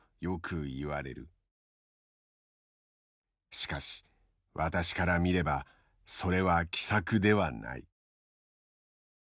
「しかし私から見ればそれは奇策ではない。